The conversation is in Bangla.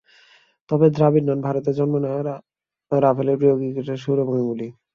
তবে দ্রাবিড় নন, ভারতে জন্ম নেওয়া রাভালের প্রিয় ক্রিকেটার সৌরভ গাঙ্গুলী।